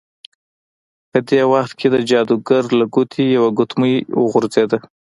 په دې وخت کې د جادوګر له ګوتې یوه ګوتمۍ وغورځیده.